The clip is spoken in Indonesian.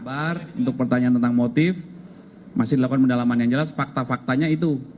sabar untuk pertanyaan tentang motif masih dilakukan pendalaman yang jelas fakta faktanya itu